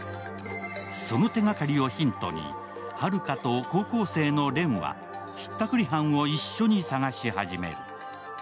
その手がかりをヒントに春風と高校生の錬はひったくり犯を一緒に捜し始める。